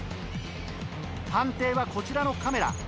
判定はこちらのカメラ。